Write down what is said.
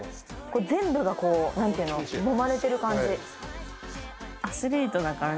全部がこうなんていうの揉まれてる感じ。